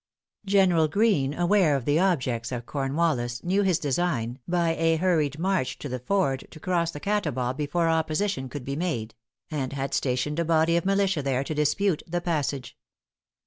General Greene, aware of the objects of Cornwallis, knew his design, by a hurried march to the ford, to cross the Catawba before opposition could be made; and had stationed a body of militia there to dispute the passage.